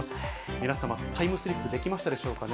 皆様、タイムスリップできましたでしょうかね。